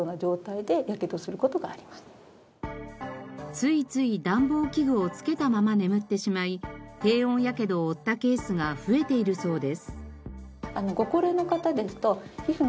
ついつい暖房器具をつけたまま眠ってしまい低温やけどを負ったケースが増えているそうです。